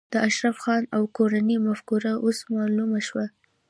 د اشرف خان او کورنۍ مفکوره اوس معلومه شوه